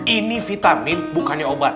ini vitamin bukannya obat